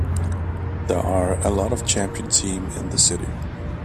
There are a lot of champion team in the city.